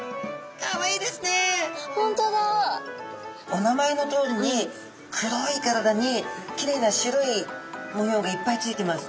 お名前のとおりに黒い体にきれいな白い模様がいっぱい付いてます。